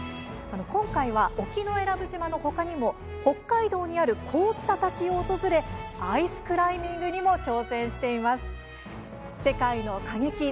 今回は、沖永良部島のほかにも北海道にある凍った滝を訪れアイスクライミングにも挑戦しています。